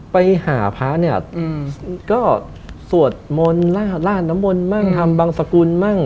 ไปหาพระเนี่ยก็สวดมนต์ลาดน้ำมนต์บ้างทำบังสกุลมั่ง